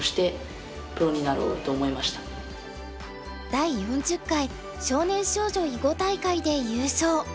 第４０回少年少女囲碁大会で優勝。